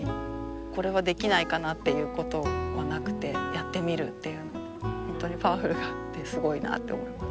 これはできないかなっていうことはなくてやってみるっていう本当にパワフルだ！ってすごいなあって思います。